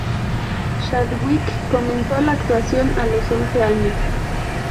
Chadwick comenzó la actuación a los once años.